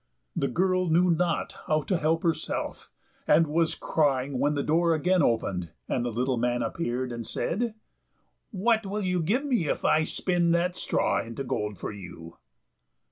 The girl knew not how to help herself, and was crying, when the door again opened, and the little man appeared, and said, "What will you give me if I spin that straw into gold for you?"